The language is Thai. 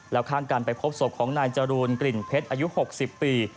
แล้วข้างกันไปพบศพของนายจรูนกลิ่นเพชรอายุ๖๐ปี